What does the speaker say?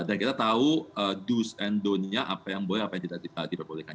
dan kita tahu do's and don't nya apa yang boleh apa yang tidak diperbolehkan